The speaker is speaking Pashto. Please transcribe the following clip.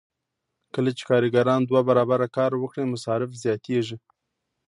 کله چې کارګران دوه برابره کار وکړي مصارف زیاتېږي